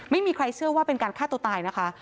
ไม่มีใครเชื่อว่าเป็นการฆ่าตัวตายนะคะ